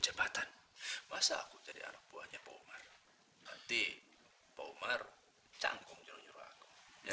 jabatan masa aku jadi anak buahnya pomar nanti pomar canggung nyuruh nyuruh aku ya